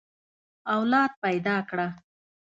اولاد پيدا کړه.